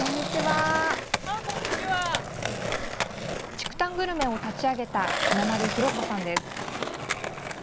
竹炭グルメを立ち上げた金丸博子さんです。